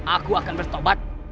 aku akan bertobat